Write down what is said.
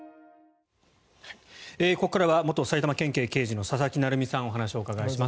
ここからは元埼玉県警刑事の佐々木成三さんにお話をお伺いします。